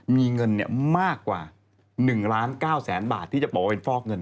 มีเงินมากกว่า๑ล้าน๙แสนบาทที่จะบอกว่าเป็นฟอกเงิน